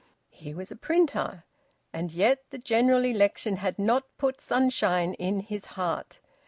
He was a printer, and yet the General Election had not put sunshine in his heart.